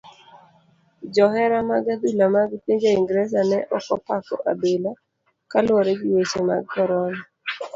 Johera mag adhula mar pinje ingereza ne okopako adhula kaluwore gi weche mag korona.